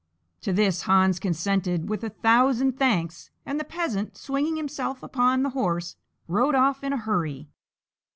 To this Hans consented with a thousand thanks, and the Peasant, swinging himself upon the horse, rode off in a hurry.